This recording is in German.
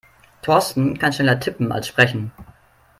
Thorsten kann schneller tippen als sprechen.